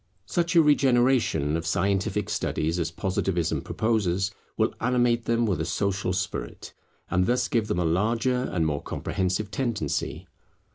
Such a regeneration of scientific studies as Positivism proposes, will animate them with a social spirit, and thus give them a larger and more comprehensive tendency.